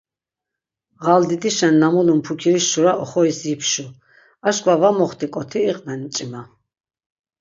Ğaldidişen na mulun pukiriş şura oxoris yipşu, arçkva va moxtik̆oti iqven mç̆ima.